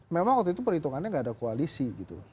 memang waktu itu perhitungannya nggak ada koalisi gitu